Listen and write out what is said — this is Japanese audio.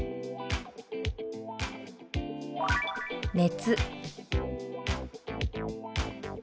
「熱」。